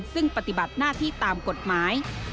ซึ่งปฏิบัติหน้าที่ตามกฎหมาย